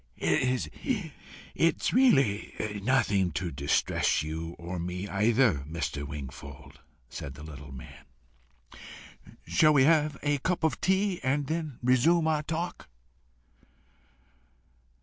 "It is really nothing to distress you, or me either, Mr. Wingfold," said the little man. "Shall we have a cup of tea, and then resume our talk?"